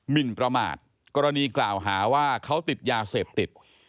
มินประมาทกรณีกล่าวหาว่าเขาติดยาเสพติด